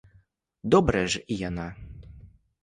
Добрая ж і яна!